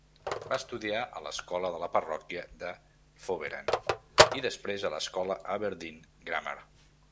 Va estudiar a l'escola de la parròquia de Foveran i, després, a l'escola Aberdeen Grammar.